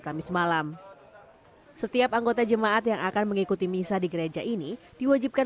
kamis malam setiap anggota jemaat yang akan mengikuti misa di gereja ini diwajibkan